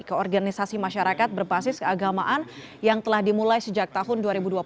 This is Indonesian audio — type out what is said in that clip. keorganisasi masyarakat berbasis keagamaan yang telah dimulai sejak tahun dua ribu dua puluh dua